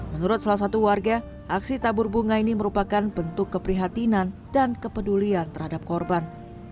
menurut salah satu warga aksi tabur bunga ini merupakan bentuk keprihatinan dan kepedulian terhadap korban